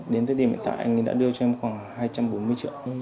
đến tới điểm hiện tại anh ấy đã đưa cho em khoảng hai trăm bốn mươi triệu